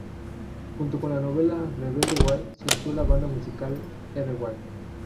Junto con la novela "Rebelde Way" surgió la banda de música "Erreway".